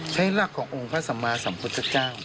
หลักขององค์พระสัมมาสัมพุทธเจ้า